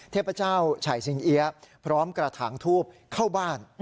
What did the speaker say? เทพเจ้าฉ่ายสิงเอี๊ยะพร้อมกระถางทูบเข้าบ้าน